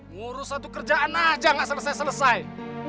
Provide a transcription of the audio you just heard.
ngurus satu kerjaan aja nggak selesai selesai